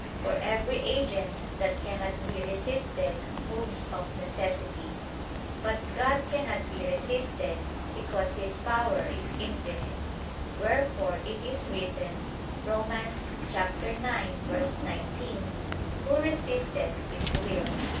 For every agent that cannot be resisted moves of necessity. But God cannot be resisted, because His power is infinite; wherefore it is written (Rom. 9:19): "Who resisteth His will?"